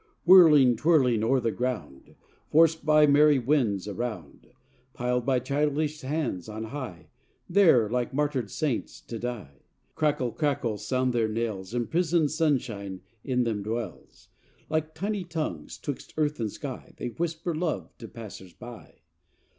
Whirling, twirling, o'er the ground, Forced by merry winds around; Piled by childish hands on high, There, like martyred saints, to die. Crackle crackle, sound their knells, Imprisoned sunshine in them dwells Like tiny tongues, 'twixt earth and sky They whisper love to passers by.